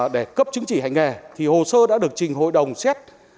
để cấp chứng chỉ hành nghề thì hồ sơ đã được trình hội đồng xét